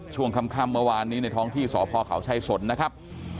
ช่วงค่ำเมื่อวานนี้ในท้องที่สพเขาชัยสนนะครับ